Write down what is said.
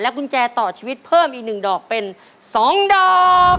กุญแจต่อชีวิตเพิ่มอีก๑ดอกเป็น๒ดอก